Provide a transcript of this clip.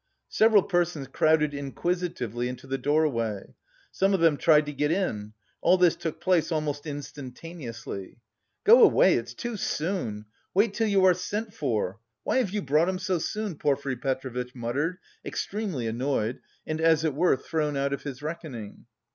Several persons crowded inquisitively into the doorway. Some of them tried to get in. All this took place almost instantaneously. "Go away, it's too soon! Wait till you are sent for!... Why have you brought him so soon?" Porfiry Petrovitch muttered, extremely annoyed, and as it were thrown out of his reckoning.